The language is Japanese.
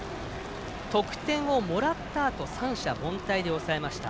得点をもらったあと三者凡退で抑えました。